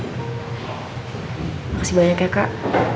makasih banyak ya kak